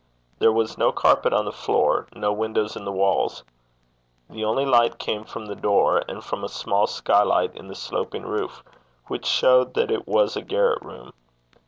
There was no carpet on the floor, no windows in the walls. The only light came from the door, and from a small skylight in the sloping roof, which showed that it was a garret room.